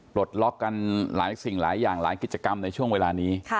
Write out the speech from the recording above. ปลดล็อกกันหลายสิ่งหลายอย่างหลายกิจกรรมในช่วงเวลานี้